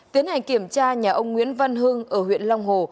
tiến hành kiểm tra nhà ông nguyễn văn hưng ở huyện long hồ